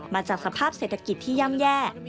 มาจากสภาพเศรษฐกิจที่ย่ำแย่